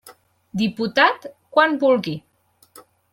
Diputat, quan vulgui.